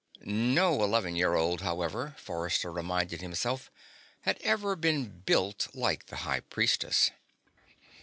No eleven year old, however, Forrester reminded himself, had ever been built like the High Priestess.